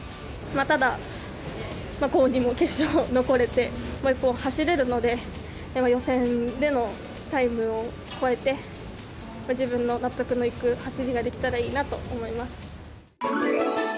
ただ、幸運にも決勝残れて、もう一本走れるので、予選でのタイムを超えて、自分の納得のいく走りができたらいいなと思います。